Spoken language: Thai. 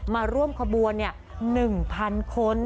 มาร่วมขบวน๑๐๐๐คน